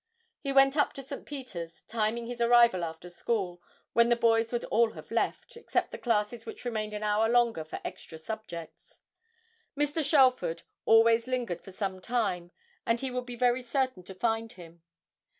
He went up to St. Peter's, timing his arrival after school, when the boys would all have left, except the classes which remained an hour longer for extra subjects. Mr. Shelford always lingered for some time, and he would be very certain to find him.